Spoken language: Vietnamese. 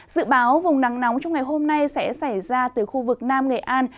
dự báo vùng nắng nóng trong ngày hôm nay sẽ xảy ra từ khu vực nam nghệ an